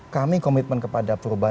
kami komitmen kepada perubahan